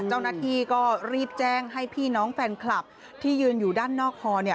เจ้าหน้าที่ก็รีบแจ้งให้พี่น้องแฟนคลับที่ยืนอยู่ด้านนอกคอเนี่ย